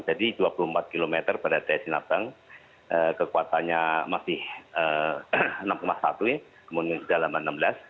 jadi dua puluh empat km barat dayasinabang kekuatannya masih enam satu kemudian kedalaman enam belas